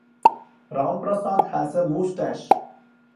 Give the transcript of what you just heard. Ramprasad has a moustache.